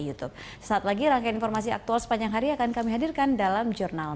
youtube saat lagi rangkaian informasi aktual sepanjang hari akan kami hadirkan dalam jurnal